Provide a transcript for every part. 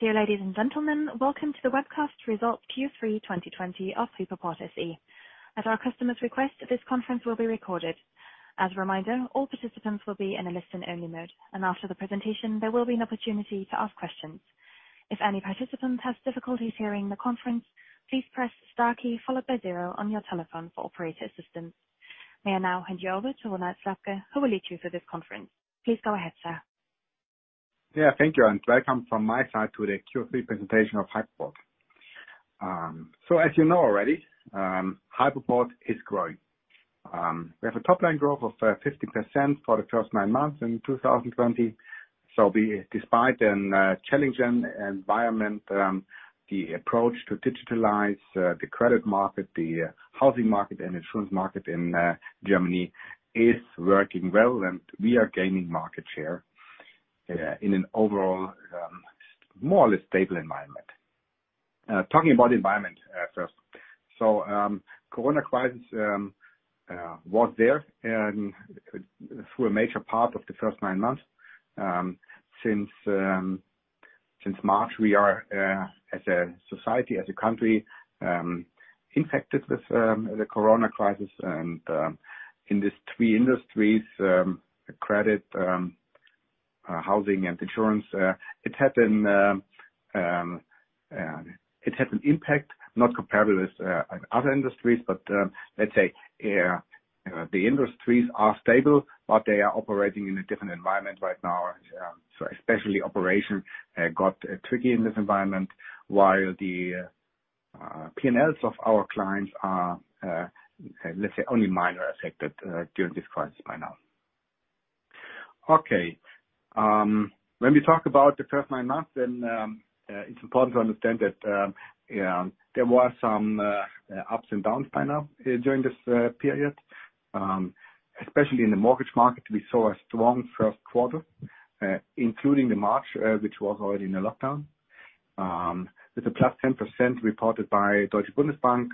Dear ladies and gentlemen, welcome to the webcast results Q3 2020 of Hypoport SE. At our customer's request, this conference will be recorded. As a reminder, all participants will be in a listen-only mode, and after the presentation, there will be an opportunity to ask questions. If any participant has difficulties hearing the conference, please press star key followed by zero on your telephone for operator assistance. May I now hand you over to Ronald Slabke, who will lead you through this conference. Please go ahead, sir. Thank you, and welcome from my side to the Q3 presentation of Hypoport. As you know already, Hypoport is growing. We have a top-line growth of 50% for the first nine months in 2020. Despite a challenging environment, the approach to digitalize the credit market, the housing market, and insurance market in Germany is working well, and we are gaining market share in an overall more or less stable environment. Talking about environment first. Corona crisis was there through a major part of the first nine months. Since March, we are as a society, as a country, infected with the Corona crisis. In these three industries, Credit, Housing, and Insurance, it had an impact, not comparable with other industries. Let's say the industries are stable, but they are operating in a different environment right now. Especially operation got tricky in this environment while the P&Ls of our clients are, let's say, only minor affected during this crisis by now. When we talk about the first nine months, then it's important to understand that there was some ups and downs by now during this period. Especially in the mortgage market, we saw a strong first quarter, including the March, which was already in a lockdown. With a +10% reported by Deutsche Bundesbank,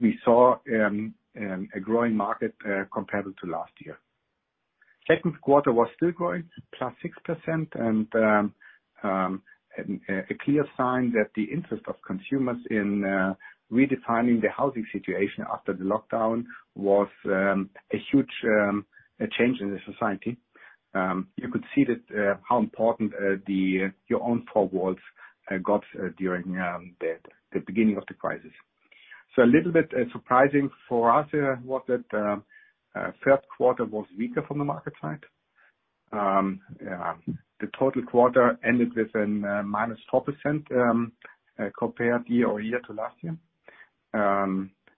we saw a growing market comparable to last year. Second quarter was still growing, +6%, and a clear sign that the interest of consumers in redefining their housing situation after the lockdown was a huge change in the society. You could see how important your own four walls got during the beginning of the crisis. A little bit surprising for us was that third quarter was weaker from the market side. The total quarter ended within -4% compared year-over-year to last year.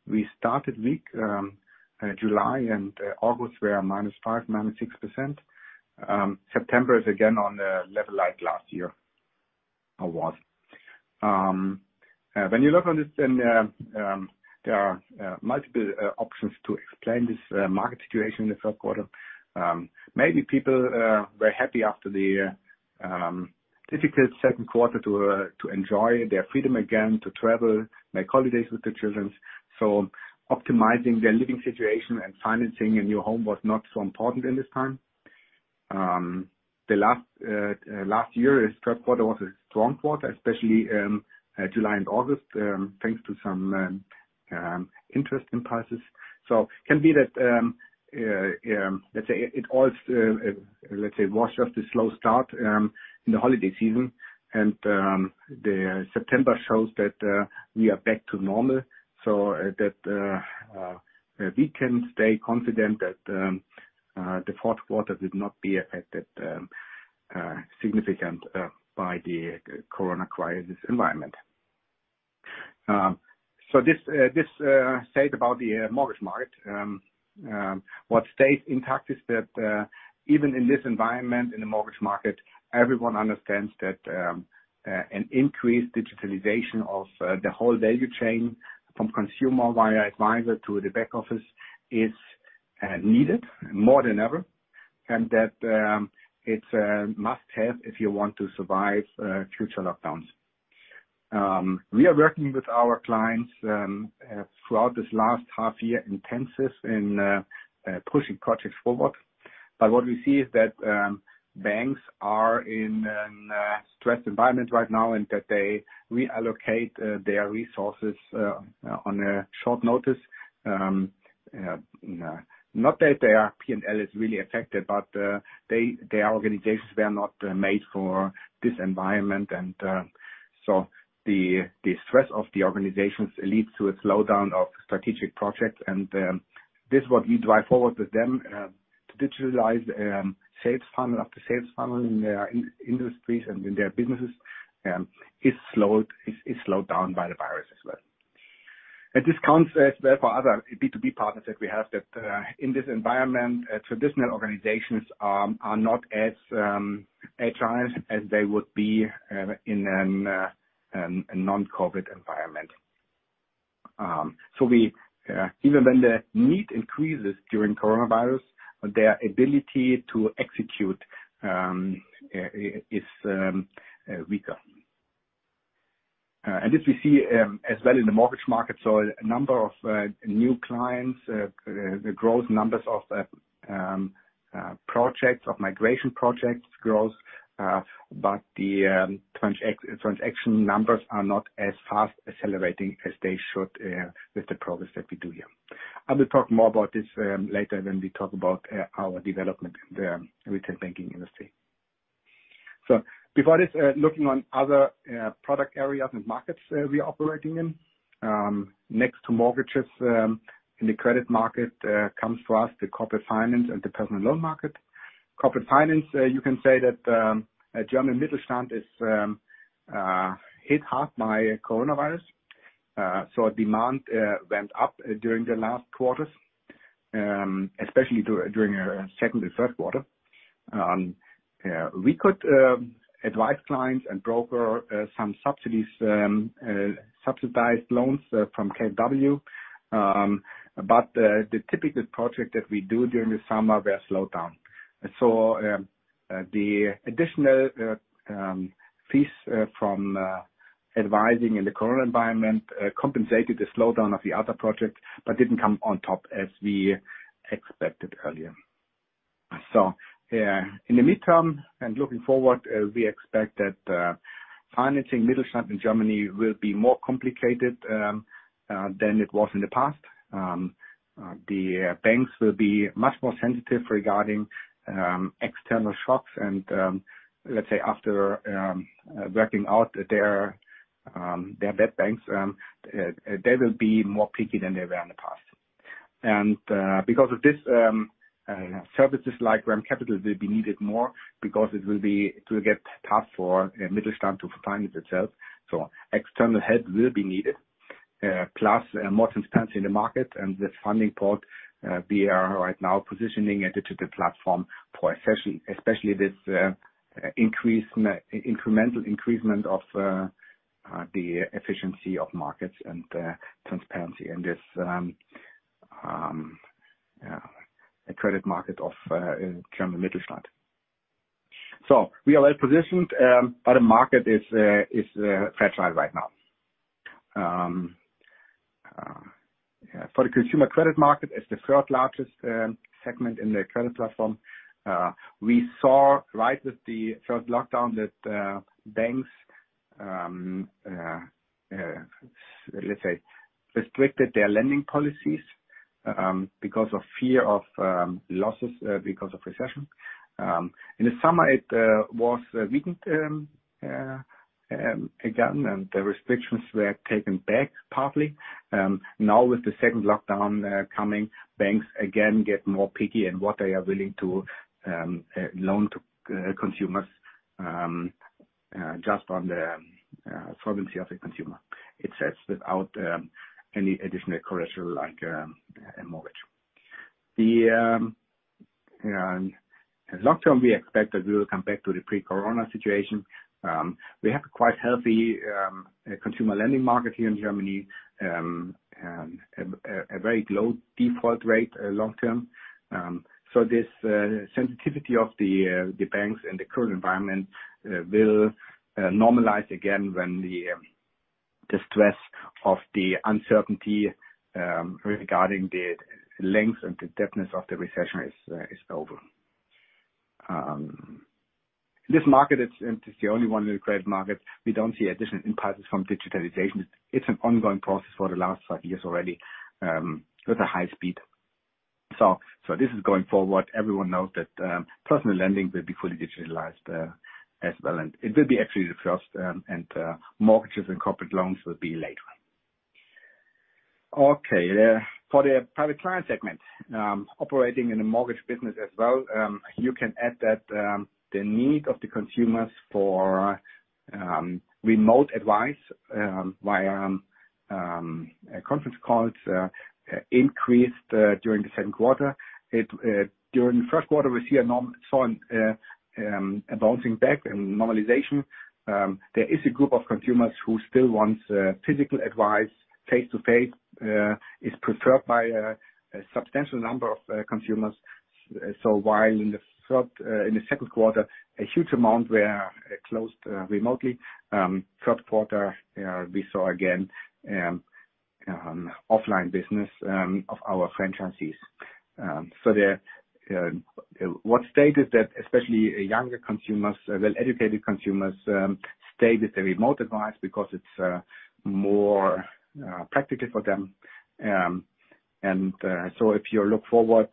We started weak July and August were -5%, -6%. September is again on the level like last year. When you look on this, there are multiple options to explain this market situation in the third quarter. Maybe people were happy after the difficult second quarter to enjoy their freedom again, to travel, make holidays with the children. Optimizing their living situation and financing a new home was not so important in this time. The last year's third quarter was a strong quarter, especially July and August, thanks to some interest impulses. Can be that, let's say, it was just a slow start in the holiday season, and the September shows that we are back to normal, so that we can stay confident that the fourth quarter will not be affected significantly by the Corona crisis environment. This said about the mortgage market. What stays intact is that even in this environment, in the mortgage market, everyone understands that an increased digitalization of the whole value chain from consumer via advisor to the back office is needed more than ever, and that it's a must-have if you want to survive future lockdowns. We are working with our clients throughout this last half year intensively in pushing projects forward. What we see is that banks are in a stressed environment right now, and that they reallocate their resources on a short notice. Not that their P&L is really affected, their organizations were not made for this environment. The stress of the organizations leads to a slowdown of strategic projects. This what we drive forward with them, to digitalize sales funnel after sales funnel in their industries and in their businesses is slowed down by the virus as well. This counts as well for other B2B partners that we have, that in this environment, traditional organizations are not as agile as they would be in a non-COVID environment. Even when the need increases during coronavirus, their ability to execute is weaker. This we see as well in the mortgage market. A number of new clients, the growth numbers of projects, of migration projects growth. The transaction numbers are not as fast accelerating as they should with the progress that we do here. I will talk more about this later when we talk about our development in the retail banking industry. Before this, looking on other product areas and markets we are operating in. Next to mortgages in the credit market comes for us the corporate finance and the personal loan market. Corporate finance, you can say that German Mittelstand is hit hard by coronavirus. Demand went up during the last quarters, especially during second to third quarter. We could advise clients and broker some subsidies, subsidized loans from KfW. The typical project that we do during the summer were slowed down. The additional fees from advising in the current environment compensated the slowdown of the other projects, but didn't come on top as we expected earlier. In the midterm and looking forward, we expect that financing Mittelstand in Germany will be more complicated than it was in the past. The banks will be much more sensitive regarding external shocks and, let's say, after working out their bad banks, they will be more picky than they were in the past. Because of this, services like REM CAPITAL will be needed more because it will get tough for Mittelstand to finance itself. External help will be needed. Plus, more transparency in the market and this FundingPort, we are right now positioning a digital platform for especially this incremental increasement of the efficiency of markets and transparency in this credit market of German Mittelstand. We are well-positioned, but the market is fragile right now. For the consumer credit market as the third-largest segment in the credit platform, we saw right with the first lockdown that banks, let's say, restricted their lending policies because of fear of losses because of recession. In the summer, it was weakened again, and the restrictions were taken back partly. Now with the second lockdown coming, banks again get more picky in what they are willing to loan to consumers, just on the solvency of the consumer itself without any additional collateral like a mortgage. The long term, we expect that we will come back to the pre-Corona situation. We have a quite healthy consumer lending market here in Germany, and a very low default rate long term. This sensitivity of the banks in the current environment will normalize again when the stress of the uncertainty regarding the length and the depth of the recession is over. This market is the only one in the credit market. We don't see additional impulses from digitalization. It's an ongoing process for the last five years already with a high speed. This is going forward. Everyone knows that personal lending will be fully digitalized as well. It will be actually the first, and mortgages and corporate loans will be later. Okay. For the private client segment operating in the mortgage business as well, you can add that the need of the consumers for remote advice via conference calls increased during the second quarter. During the first quarter, we saw a bouncing back and normalization. There is a group of consumers who still wants physical advice. Face-to-face is preferred by a substantial number of consumers. While in the second quarter, a huge amount were closed remotely. Third quarter, we saw again offline business of our franchisees. What stayed is that especially younger consumers, well-educated consumers, stayed with the remote advice because it's more practical for them. If you look forward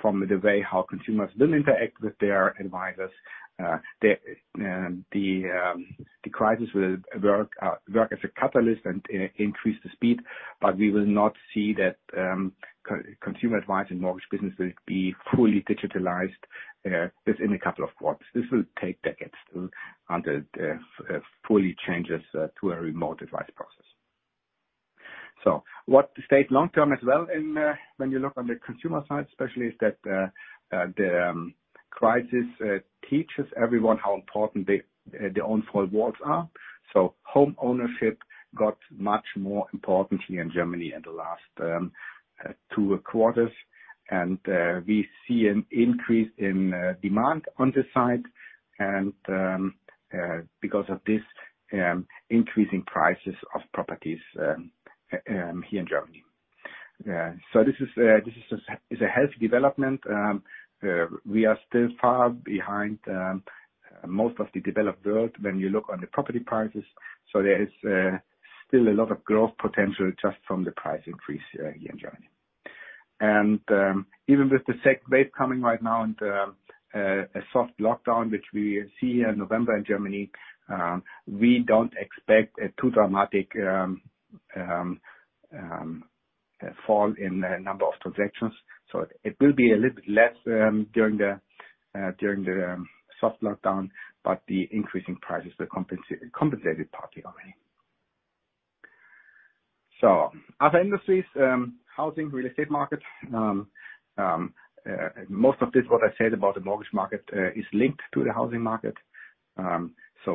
from the way how consumers will interact with their advisors, the crisis will work as a catalyst and increase the speed. We will not see that consumer advice and mortgage business will be fully digitalized within a couple of quarters. This will take decades until that fully changes to a remote advice process. What stayed long-term as well when you look on the consumer side especially, is that the crisis teaches everyone how important their own four walls are. Homeownership got much more importantly in Germany in the last two quarters, and we see an increase in demand on this side, and because of this increasing prices of properties here in Germany. This is a healthy development. We are still far behind most of the developed world when you look on the property prices. There is still a lot of growth potential just from the price increase here in Germany. Even with the second wave coming right now and a soft lockdown, which we see in November in Germany, we don't expect a too dramatic fall in the number of transactions. It will be a little bit less during the soft lockdown, but the increasing prices will compensate partly already. Other industries, housing, real estate market. Most of this, what I said about the mortgage market, is linked to the housing market.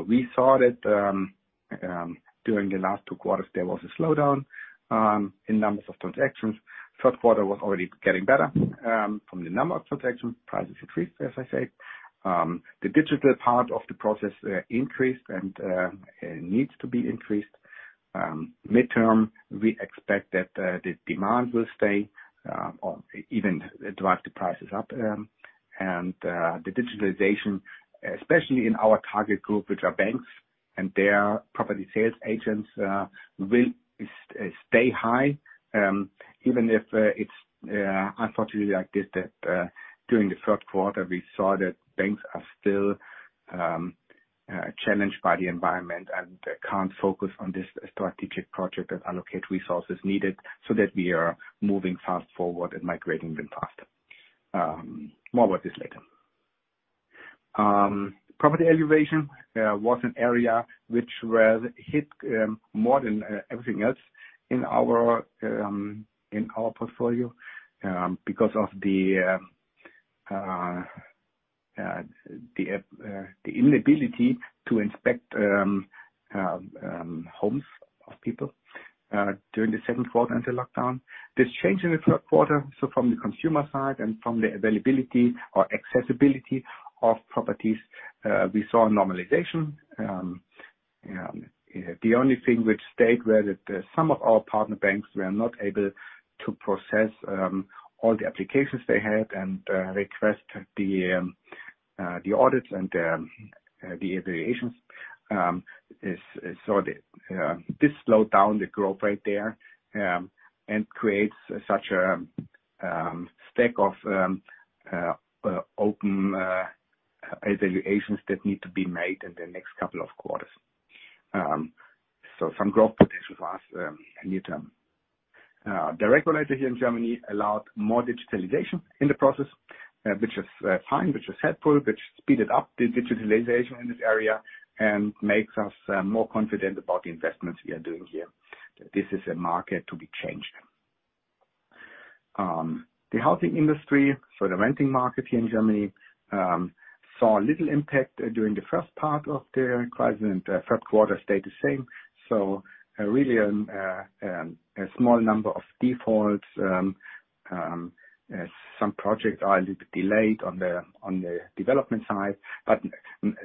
We saw that during the last two quarters, there was a slowdown in numbers of transactions. Third quarter was already getting better from the number of transactions. Prices increased, as I said. The digital part of the process increased and needs to be increased. Midterm, we expect that the demand will stay or even drive the prices up. The digitalization, especially in our target group, which are banks, and their property sales agents will stay high. Even if it's unfortunately like this, that during the third quarter, we saw that banks are still challenged by the environment and can't focus on this strategic project and allocate resources needed so that we are moving fast forward and migrating even faster. More about this later. Property valuation was an area which was hit more than everything else in our portfolio because of the inability to inspect homes of people during the second quarter and the lockdown. This changed in the third quarter, so from the consumer side and from the availability or accessibility of properties, we saw a normalization. The only thing which stayed were that some of our partner banks were not able to process all the applications they had and request the audits and the evaluations. This slowed down the growth rate there and creates such a stack of open evaluations that need to be made in the next couple of quarters. Some growth potential for us in near term. The regulator here in Germany allowed more digitalization in the process, which is fine, which is helpful, which speeded up the digitalization in this area and makes us more confident about the investments we are doing here. This is a market to be changed. The housing industry, so the renting market here in Germany, saw little impact during the first part of the crisis, and third quarter stayed the same. Really a small number of defaults. Some projects are a little bit delayed on the development side, but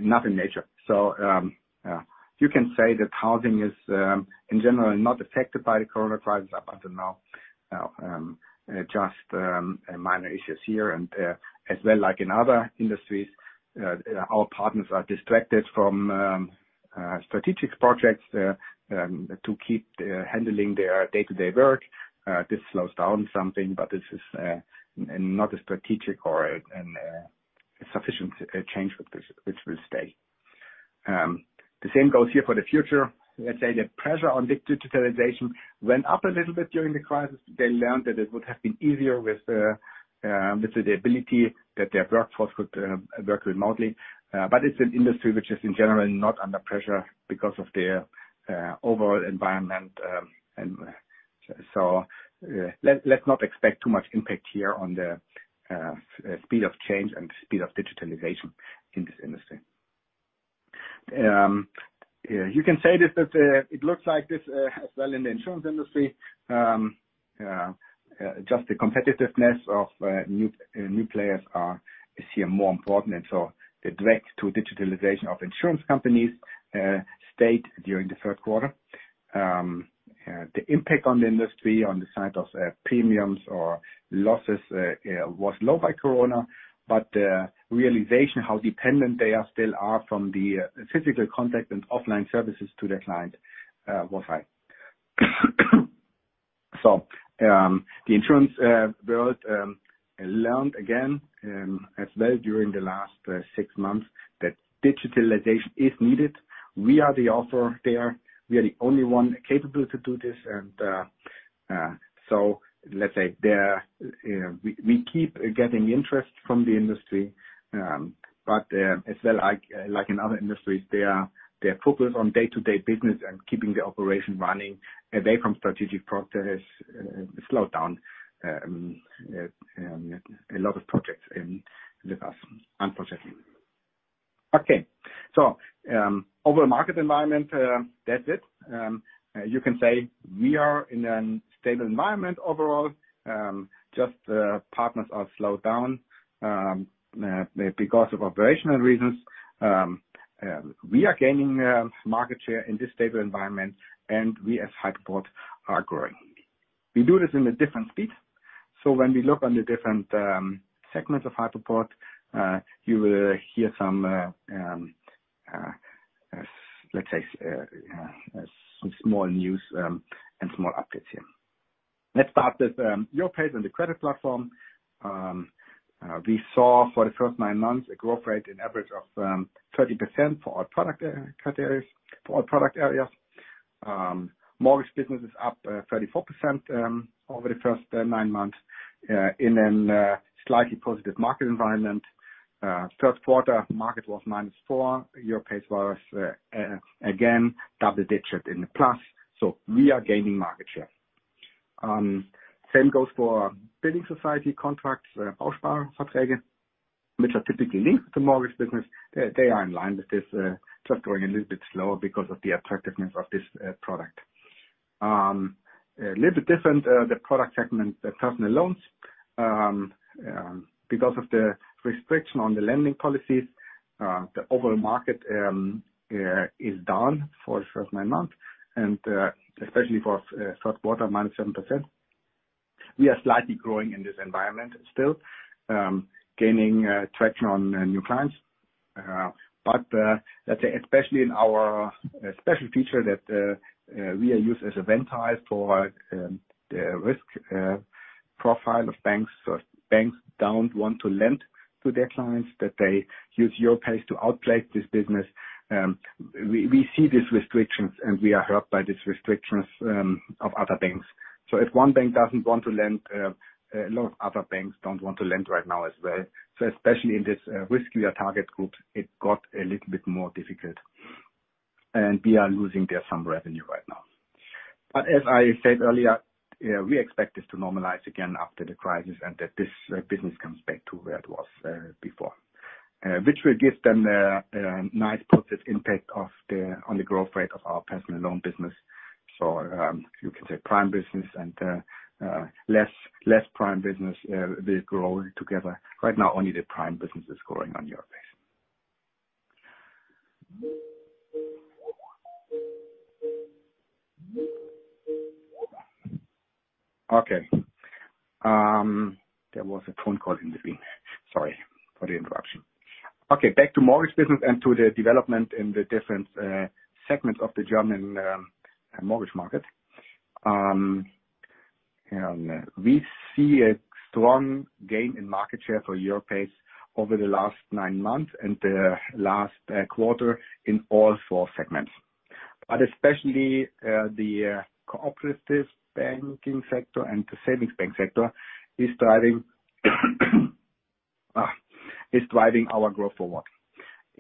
nothing major. You can say that housing is in general not affected by the coronavirus up until now. Just minor issues here and as well like in other industries, our partners are distracted from strategic projects to keep handling their day-to-day work. This slows down something, but this is not a strategic or a sufficient change which will stay. The same goes here for the future. Let's say the pressure on digitalization went up a little bit during the crisis. They learned that it would have been easier with the ability that their workforce could work remotely. It's an industry which is in general not under pressure because of the overall environment. Let's not expect too much impact here on the speed of change and speed of digitalization in this industry. You can say this, that it looks like this as well in the insurance industry. The competitiveness of new players is here more important. The drive to digitalization of insurance companies stayed during the third quarter. The impact on the industry, on the side of premiums or losses, was low by Corona. The realization how dependent they still are from the physical contact and offline services to their client was high. The insurance world learned again as well during the last six months that digitalization is needed. We are the offer there. We are the only one capable to do this. Let's say we keep getting interest from the industry. As well like in other industries, they are focused on day-to-day business and keeping the operation running. Away from strategic process slowed down a lot of projects in the past. Overall market environment, that's it. You can say we are in a stable environment overall, just partners are slowed down because of operational reasons. We are gaining market share in this stable environment, and we as Hypoport are growing. We do this in a different speed. When we look on the different segments of Hypoport, you will hear some, let's say, some small news and small updates here. Let's start with Europace and the Credit Platform. We saw for the first nine months a growth rate in average of 30% for all product areas. Mortgage business is up 34% over the first nine months in a slightly positive market environment. Third quarter, market was minus 4%. Europace was again double-digit in the plus. We are gaining market share. Same goes for building society contracts, Bausparverträge, which are typically linked to mortgage business. They are in line with this, just growing a little bit slower because of the attractiveness of this product. A little bit different, the product segment, the personal loans. Because of the restriction on the lending policies, the overall market is down for the first nine months. Especially for third quarter, minus 7%. We are slightly growing in this environment still. Gaining traction on new clients. Let's say, especially in our special feature that we are used as a Ventil for the risk profile of banks. If banks don't want to lend to their clients, that they use Europace to outplace this business. We see these restrictions, and we are hurt by these restrictions of other banks. If one bank doesn't want to lend, a lot of other banks don't want to lend right now as well. Especially in this riskier target group, it got a little bit more difficult. We are losing there some revenue right now. As I said earlier, we expect this to normalize again after the crisis and that this business comes back to where it was before. Which will give them a nice positive impact on the growth rate of our personal loan business. You can say prime business and less prime business will grow together. Right now, only the prime business is growing on Europace. Okay. There was a phone call in between. Sorry for the interruption. Back to mortgage business and to the development in the different segments of the German mortgage market. We see a strong gain in market share for Europace over the last nine months and the last quarter in all four segments. Especially the cooperative banking sector and the savings bank sector is driving our growth forward.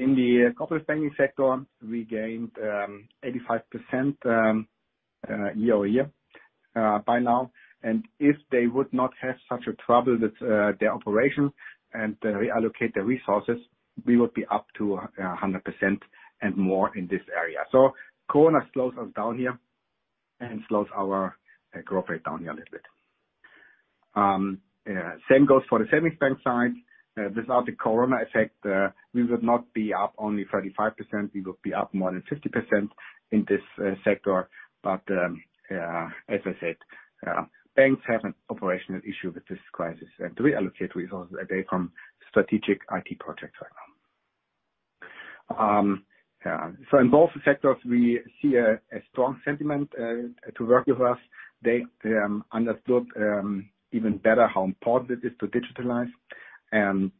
In the cooperative banking sector, we gained 85% year-over-year by now. If they would not have such a trouble with their operation and reallocate their resources, we would be up to 100% and more in this area. Corona slows us down here and slows our growth rate down here a little bit. Same goes for the savings bank side. Without the Corona effect, we would not be up only 35%, we would be up more than 50% in this sector. As I said, banks have an operational issue with this crisis. To reallocate resources away from strategic IT projects right now. In both sectors, we see a strong sentiment to work with us. They understood even better how important it is to digitalize. We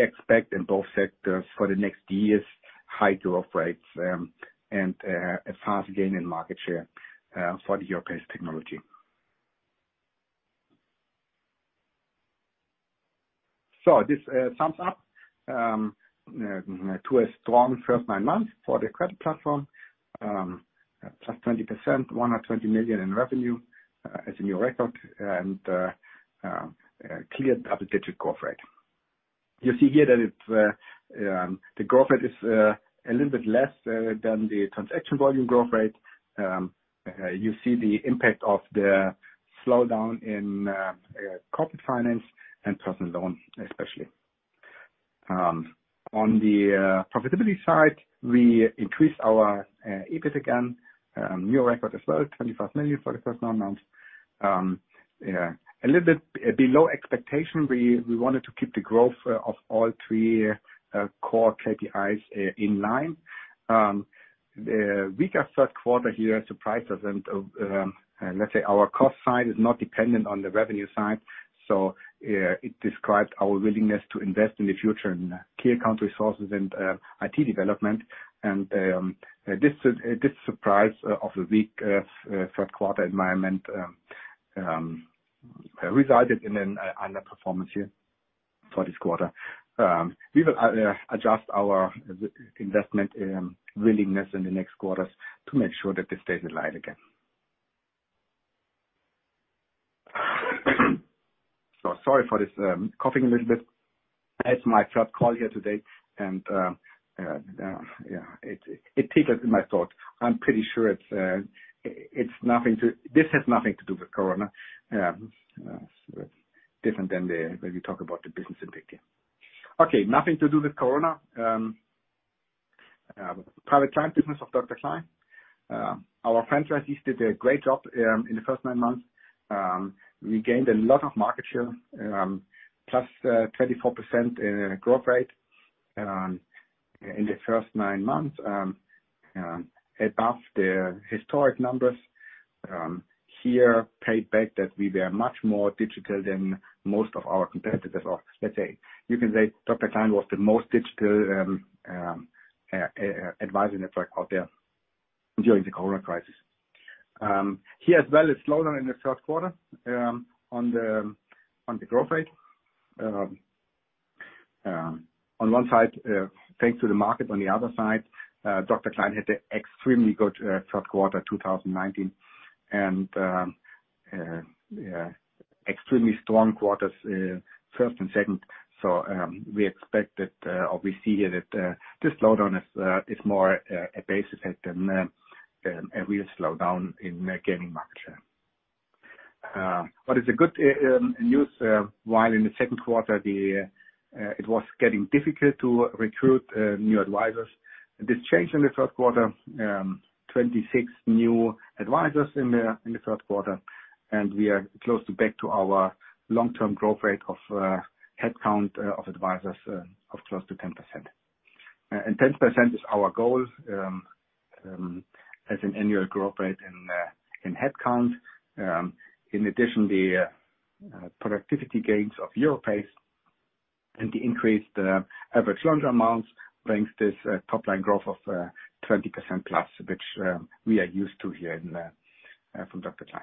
expect in both sectors for the next years, high growth rates and a fast gain in market share for the Europace technology. This sums up to a strong first nine months for the Credit Platform, +20%, 120 million in revenue. It's a new record and a clear double-digit growth rate. You see here that the growth rate is a little bit less than the transaction volume growth rate. You see the impact of the slowdown in corporate finance and personal loans, especially. On the profitability side, we increased our EBIT again. New record as well, 25 million for the first nine months. A little bit below expectation. We wanted to keep the growth of all three core KPIs in line. The weaker third quarter here surprised us and let's say our cost side is not dependent on the revenue side. It describes our willingness to invest in the future in key account resources and IT development. This surprise of the weak third quarter environment resulted in an underperformance here for this quarter. We will adjust our investment willingness in the next quarters to make sure that this stays in line again. Sorry for this, coughing a little bit. It's my third call here today, and yeah. It tickles my throat. I'm pretty sure this has nothing to do with Corona. Different than when we talk about the business impact here. Okay. Nothing to do with Corona. Private client business of Dr. Klein. Our franchisees did a great job in the first nine months. We gained a lot of market share, +24% in growth rate in the first nine months above the historic numbers. Here paid back that we were much more digital than most of our competitors are. Let's say, you can say Dr. Klein was the most digital advisory outfit out there during the Corona crisis. Here as well, it's slower in the third quarter on the growth rate. On one side, thanks to the market, on the other side, Dr. Klein had an extremely good third quarter 2019, and extremely strong quarters first and second. We expect that or we see here that this slowdown is more a base effect than a real slowdown in gaining market share. It's a good news, while in the second quarter it was getting difficult to recruit new advisors. This changed in the third quarter, 26 new advisors in the third quarter, we are close to back to our long-term growth rate of headcount of advisors of close to 10%. 10% is our goal as an annual growth rate in headcount. In addition, the productivity gains of Europace and the increased average loan amounts brings this top-line growth of 20%+, which we are used to here from Dr. Klein.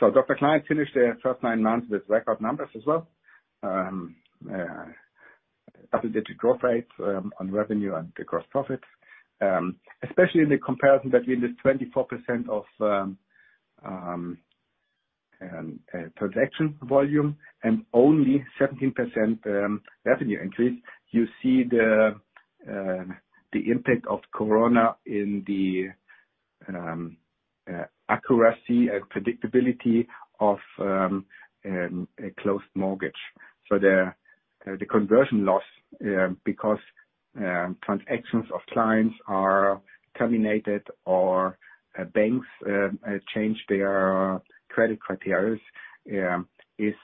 Dr. Klein finished the first nine months with record numbers as well. Double-digit growth rates on revenue and the gross profits. Especially in the comparison between the 24% of transaction volume and only 17% revenue increase. You see the impact of Corona in the accuracy and predictability of a closed mortgage. The conversion loss, because transactions of clients are terminated or banks change their credit criteria, is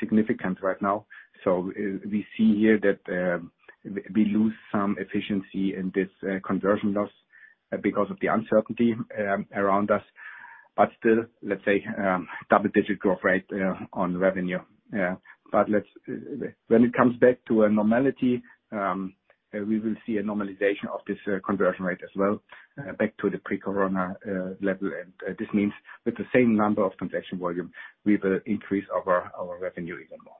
significant right now. We see here that we lose some efficiency in this conversion loss because of the uncertainty around us. Still, let's say double-digit growth rate on revenue. When it comes back to a normality, we will see a normalization of this conversion rate as well back to the pre-Corona level. This means with the same number of transaction volume, we will increase our revenue even more.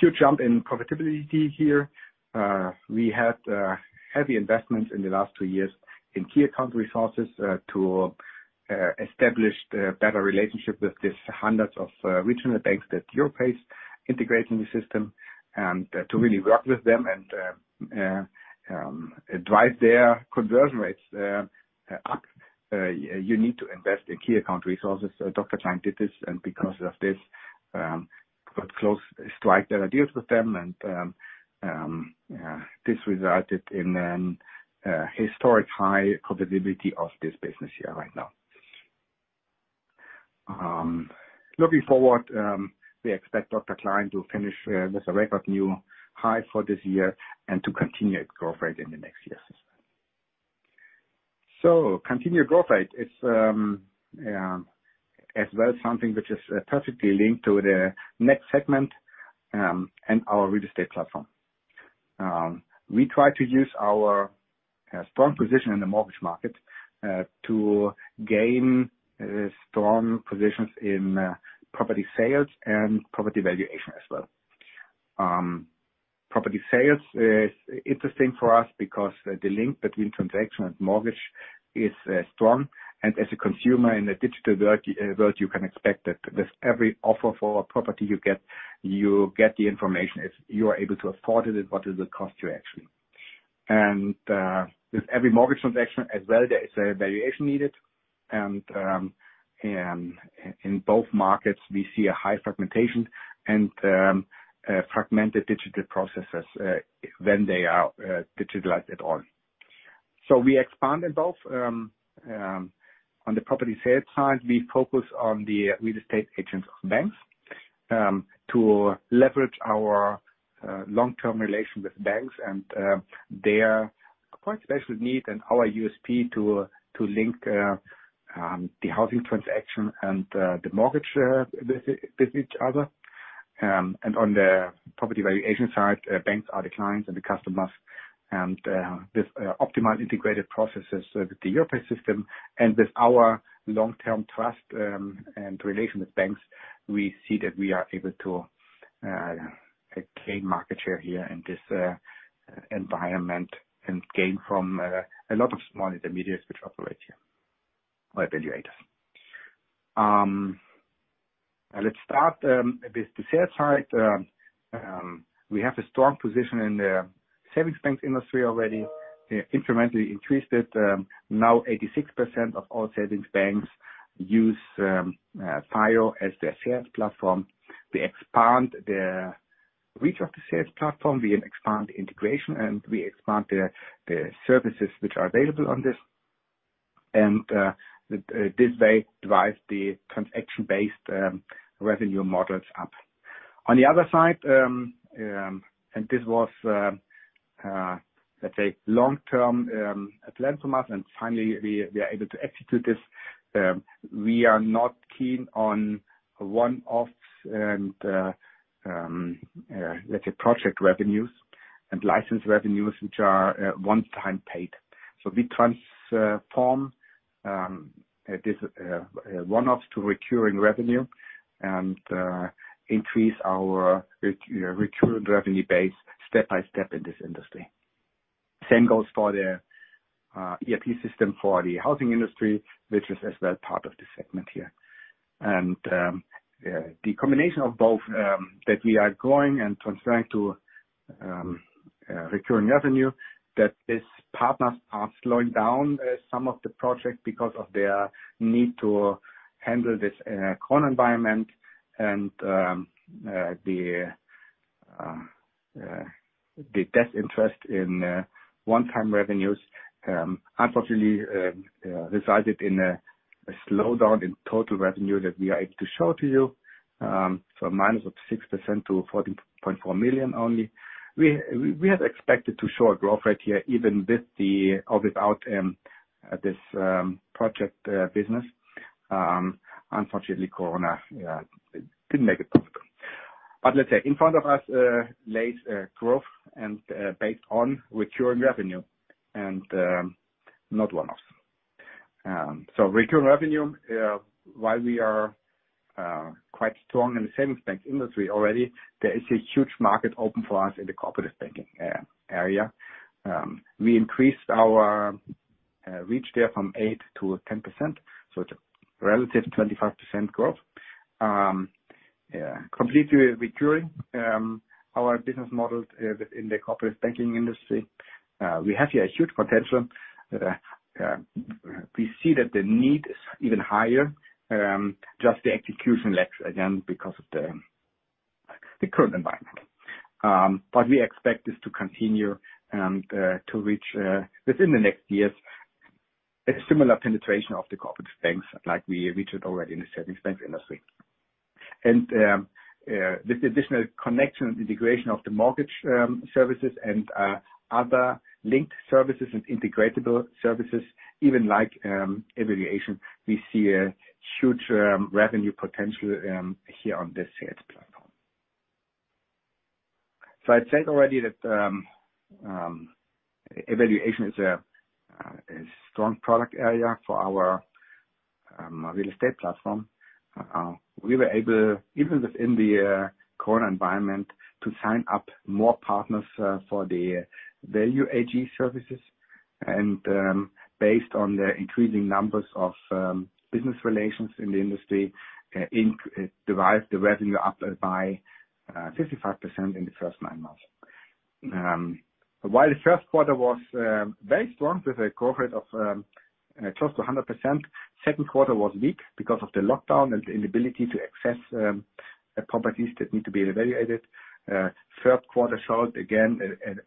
Huge jump in profitability here. We had heavy investments in the last two years in key account resources to establish a better relationship with these hundreds of regional banks that Europace integrate in the system and to really work with them and drive their conversion rates up. You need to invest in key account resources. Dr. Klein did this and because of this got close, strike better deals with them and this resulted in an historic high profitability of this business here right now. Looking forward, we expect Dr. Klein to finish with a record new high for this year and to continue its growth rate in the next years as well. Continued growth rate is as well something which is perfectly linked to the next segment, and our real estate platform. We try to use our strong position in the mortgage market to gain strong positions in property sales and property valuation as well. Property sales is interesting for us because the link between transaction and mortgage is strong. As a consumer in a digital world, you can expect that with every offer for a property you get, you get the information if you are able to afford it and what is the cost to you actually. With every mortgage transaction as well, there is a valuation needed. In both markets, we see a high fragmentation and fragmented digital processes when they are digitalized at all. We expand in both. On the property sales side, we focus on the real estate agents of banks to leverage our long-term relation with banks and their quite special need and our USP to link the housing transaction and the mortgage with each other. On the property valuation side, banks are the clients and the customers. With optimized integrated processes with the Europace system and with our long-term trust and relation with banks, we see that we are able to gain market share here in this environment and gain from a lot of smaller intermediaries which operate here or evaluators. Let's start with the sales side. We have a strong position in the savings banks industry already, incrementally increased it. Now 86% of all savings banks use FIO as their sales platform. We expand the reach of the sales platform, we expand integration, and we expand the services which are available on this. This way drive the transaction-based revenue models up. On the other side, this was, let's say, long-term plan for us, finally we are able to execute this. We are not keen on one-offs and let's say project revenues and license revenues which are one-time paid. We transform this one-offs to recurring revenue and increase our recurring revenue base step by step in this industry. Same goes for the ERP system for the housing industry, which is as well part of this segment here. The combination of both, that we are growing and transferring to recurring revenue, that these partners are slowing down some of the projects because of their need to handle this Corona environment and the test interest in one-time revenues, unfortunately resided in a slowdown in total revenue that we are able to show to you, -6% to 14.4 million only. We had expected to show a growth rate here even with or without this project business. Unfortunately, Corona didn't make it possible. Let's say, in front of us lays growth and based on recurring revenue and not one-offs. Recurring revenue, while we are quite strong in the savings bank industry already, there is a huge market open for us in the cooperative banking area. We increased our reach there from 8%-10%, so it's a relative 25% growth. Completely recurring our business models in the corporate banking industry. We have here a huge potential. We see that the need is even higher, just the execution lags again because of the current environment. We expect this to continue and to reach within the next years, a similar penetration of the corporate banks like we reached already in the savings bank industry. With the additional connection and integration of the mortgage services and other linked services and integratable services, even like evaluation, we see a huge revenue potential here on this sales platform. I said already that evaluation is a strong product area for our real estate platform. We were able, even within the Corona environment, to sign up more partners for the Value AG services and based on the increasing numbers of business relations in the industry, derive the revenue up by 55% in the first nine months. While the first quarter was very strong with a growth rate of close to 100%, second quarter was weak because of the lockdown and the inability to access properties that need to be evaluated. Third quarter showed, again,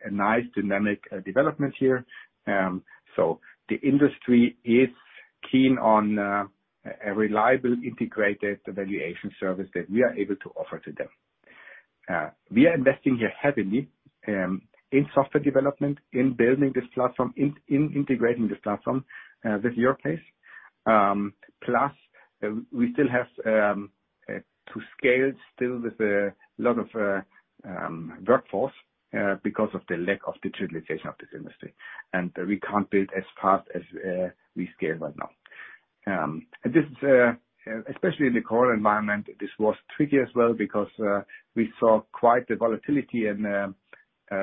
a nice dynamic development here. The industry is keen on a reliable integrated evaluation service that we are able to offer to them. We are investing here heavily in software development, in building this platform, in integrating this platform with Europace. We still have to scale still with a lot of workforce because of the lack of digitalization of this industry. we can't build as fast as we scale right now. Especially in the Corona environment, this was tricky as well because we saw quite the volatility in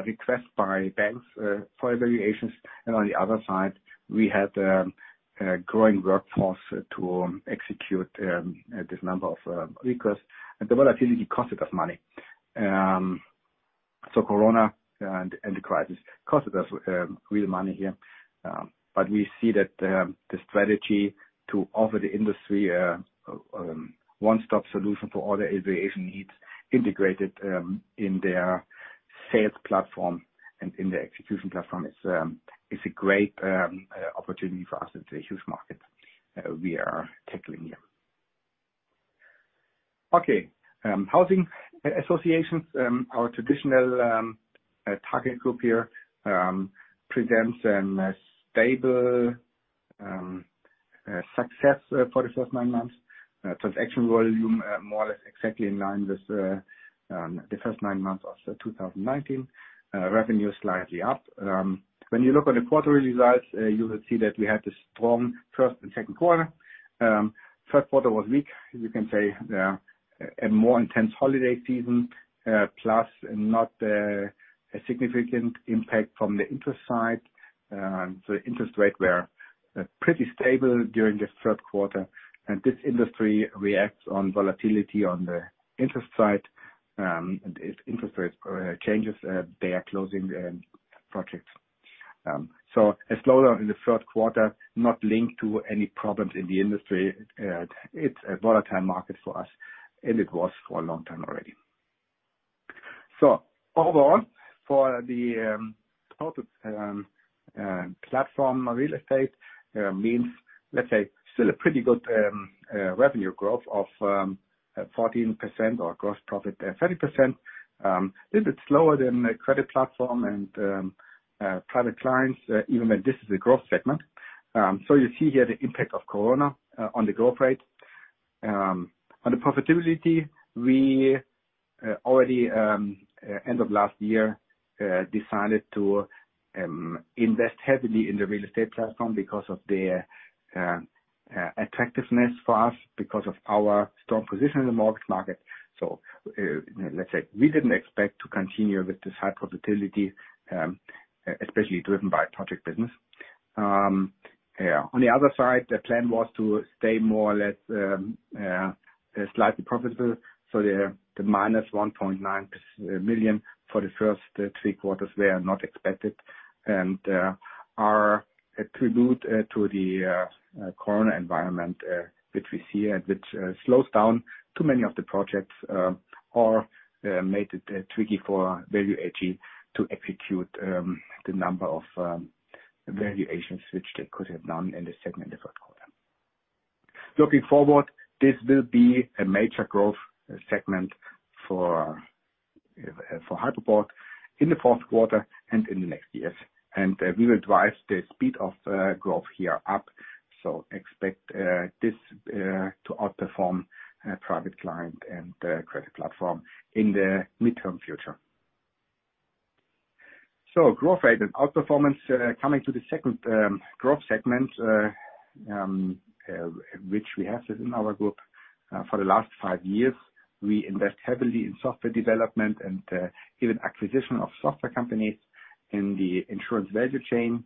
requests by banks for valuations, and on the other side, we had a growing workforce to execute this number of requests. the volatility costed us money. Corona and the crisis costed us real money here. we see that the strategy to offer the industry a one-stop solution for all their valuation needs integrated in their sales platform and in their execution platform is a great opportunity for us. It's a huge market we are tackling here. Okay. Housing associations, our traditional target group here, presents a stable success for the first nine months. Transaction volume more or less exactly in line with the first nine months of 2019. Revenue slightly up. When you look at the quarterly results, you will see that we had a strong first and second quarter. Third quarter was weak. You can say a more intense holiday season, plus not a significant impact from the interest side. Interest rate were pretty stable during the third quarter. This industry reacts on volatility on the interest side. If interest rate changes, they are closing projects. A slowdown in the third quarter, not linked to any problems in the industry. It's a volatile market for us, and it was for a long time already. Overall, for the total platform, real estate means, let's say, still a pretty good revenue growth of 14% or gross profit 30%. A little bit slower than the credit platform and private clients, even when this is a growth segment. You see here the impact of Corona on the growth rate. On the profitability, we already, end of last year, decided to invest heavily in the real estate platform because of their attractiveness for us, because of our strong position in the mortgage market. Let's say, we didn't expect to continue with this high profitability, especially driven by project business. Yeah. On the other side, the plan was to stay more or less slightly profitable. The -1.9 million for the first three quarters were not expected and are attributed to the Corona environment, which we see and which slows down too many of the projects or made it tricky for Value AG to execute the number of valuations which they could have done in the second and the third quarter. Looking forward, this will be a major growth segment for Hypoport in the fourth quarter and in the next years. We will drive the speed of growth here up. Expect this to outperform private client and the credit platform in the midterm future. Growth rate and outperformance, coming to the second growth segment, which we have within our group. For the last five years, we invest heavily in software development and even acquisition of software companies in the insurance value chain.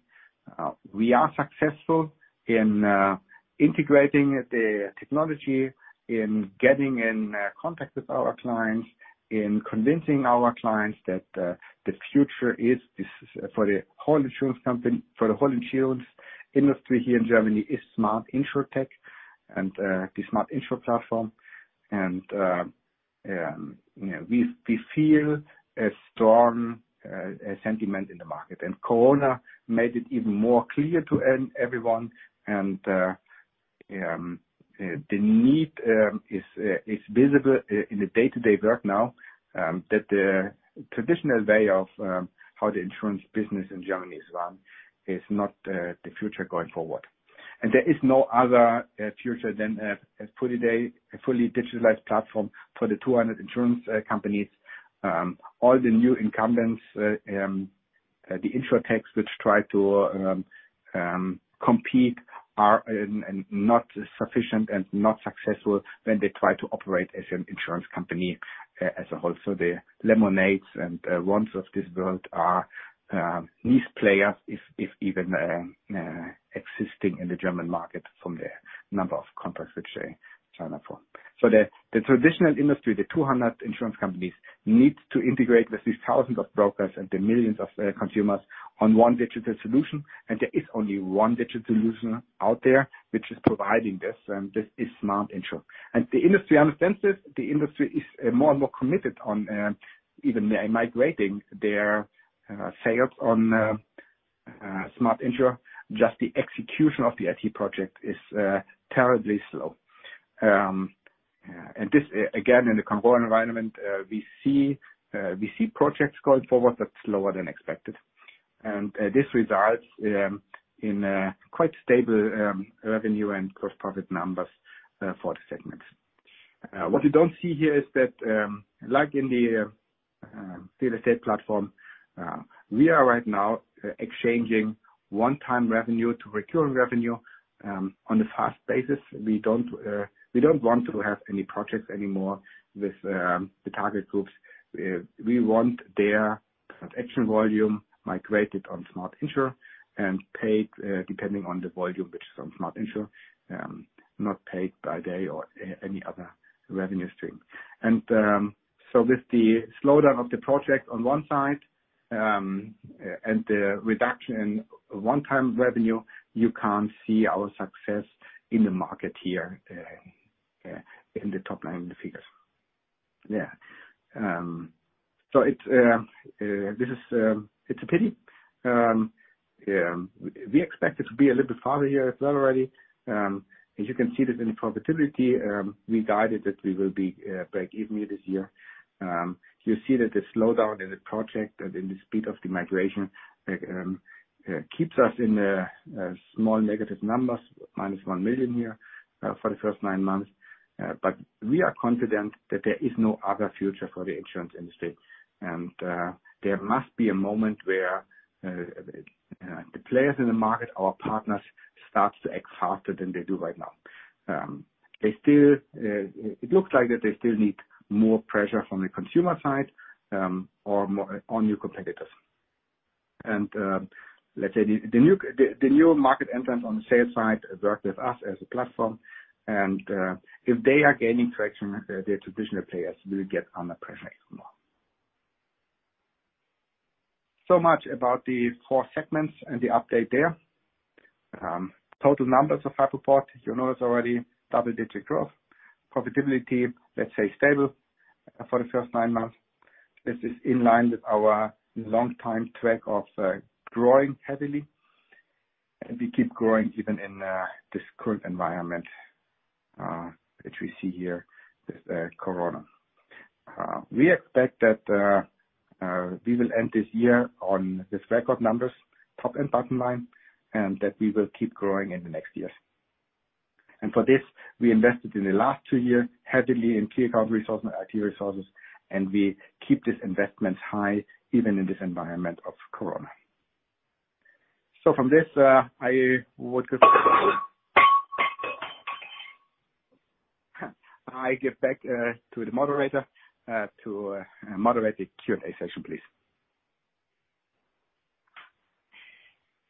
We are successful in integrating the technology, in getting in contact with our clients, in convincing our clients that the future is, for the whole insurance industry here in Germany, is Smart InsurTech and the SMART INSUR platform. We feel a strong sentiment in the market, and Corona made it even more clear to everyone. The need is visible in the day-to-day work now that the traditional way of how the insurance business in Germany is run is not the future going forward. There is no other future than a fully digitalized platform for the 200 insurance companies. All the new incumbents, the insurtechs which try to compete, are not sufficient and not successful when they try to operate as an insurance company as a whole. The Lemonades and ONEs of this world are niche players, if even existing in the German market from the number of contracts which they sign up for. The traditional industry, the 200 insurance companies, need to integrate with these thousands of brokers and the millions of consumers on one digital solution. There is only one digital solution out there which is providing this, and this is SMART INSUR. The industry understands this. The industry is more and more committed on even migrating their sales on SMART INSUR. Just the execution of the IT project is terribly slow. This, again, in the Corona environment, we see projects going forward that's slower than expected. This results in quite stable revenue and gross profit numbers for the segment. What you don't see here is that, like in the real estate platform, we are right now exchanging one-time revenue to recurring revenue on a fast basis. We don't want to have any projects anymore with the target groups. We want their transaction volume migrated on SMART INSUR and paid depending on the volume, which is on SMART INSUR, not paid by day or any other revenue stream. With the slowdown of the project on one side, and the reduction in one-time revenue, you can't see our success in the market here in the top line figures. Yeah. It's a pity. We expect it to be a little bit farther here as well already. As you can see this in profitability, we guided that we will be breakeven this year. You see that the slowdown in the project and in the speed of the migration keeps us in small negative numbers, -1 million here for the first nine months. We are confident that there is no other future for the insurance industry. There must be a moment where the players in the market, our partners, start to act faster than they do right now. It looks like that they still need more pressure from the consumer side or new competitors. Let's say, the new market entrants on the sales side work with us as a platform, and if they are gaining traction, the traditional players will get under pressure even more. Much about the four segments and the update there. Total numbers of Hypoport, you notice already double-digit growth. Profitability, let's say stable for the first nine months. This is in line with our long-time track of growing heavily, and we keep growing even in this current environment, which we see here with Corona. We expect that we will end this year on this record numbers, top and bottom line, and that we will keep growing in the next years. For this, we invested in the last two years heavily in key account resources, IT resources, and we keep these investments high even in this environment of Corona. From this, I would give back to the moderator to moderate the Q&A session, please.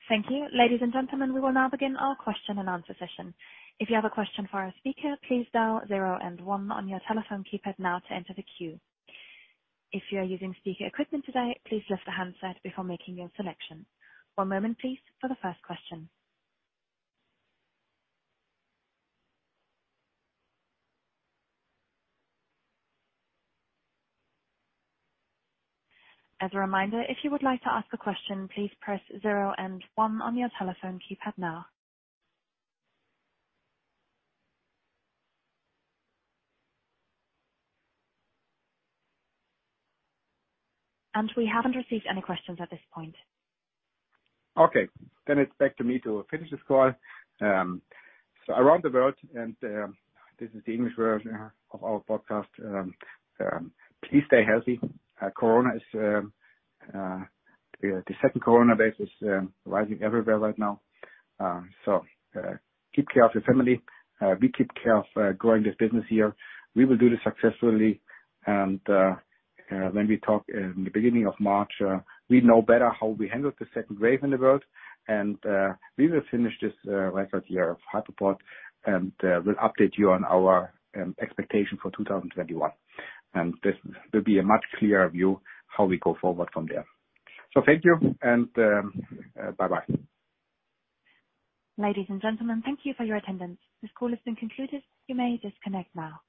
Thank you. Ladies and gentlemen, we will now begin our question and answer session. If you have a question for our speaker, please dial zero and one on your telephone keypad now to enter the queue. If you are using speaker equipment today, please lift the handset before making your selection. One moment, please, for the first question. As a reminder, if you would like to ask a question, please press zero and one on your telephone keypad now. And we haven't received any questions at this point. Okay. It's back to me to finish this call. Around the world, this is the English version of our podcast, please stay healthy. The second Corona wave is rising everywhere right now. Take care of your family. We take care of growing this business here. We will do this successfully, when we talk in the beginning of March, we know better how we handle the second wave in the world. We will finish this record year of Hypoport, we'll update you on our expectation for 2021. This will be a much clearer view how we go forward from there. Thank you, bye-bye. Ladies and gentlemen, thank you for your attendance. This call has been concluded. You may disconnect now.